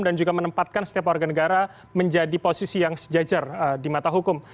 dan juga menempatkan setiap warga negara menjadi posisi yang sejajar di mata hukum